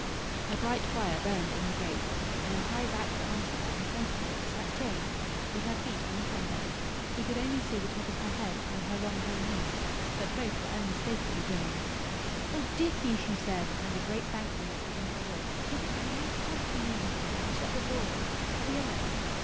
A bright fire burned in the grate. In a high backed arm chair in front of it sat Jane, with her feet on the fender. He could only see the top of her head, and her long grey knees; but both were unmistakably Jane's: "Oh, Dicky!" she said, and a great thankfulness was in her voice, "is it you? Oh, come in, Boy, and shut the door. Are we alone?